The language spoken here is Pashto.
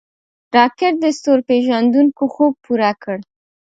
راکټ د ستورپیژندونکو خوب پوره کړ